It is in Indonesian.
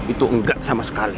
itu enggak sama sekali